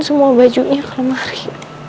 semua bajunya ke lemari